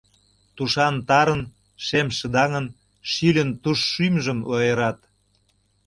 Тушан тарын, шем шыдаҥын, шӱльын туш шӱмжым ойырат.